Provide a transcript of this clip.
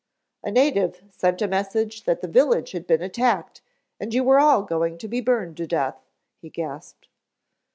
"A native sent a message that the village had been attacked and you were all going to be burned to death," he gasped.